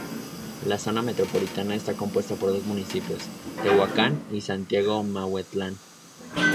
La zona metropolitana está compuesta por dos municipios: Tehuacán y Santiago Miahuatlán.